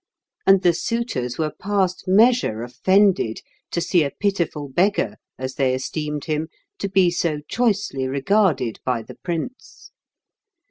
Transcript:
And the suitors were past measure offended to see a pitiful beggar, as they esteemed him, to be so choicely regarded by the prince.